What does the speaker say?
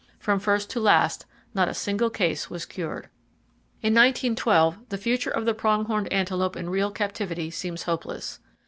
From first to last not a single case was cured. In 1912, the future of the prong horned antelope in real captivity seems hopeless.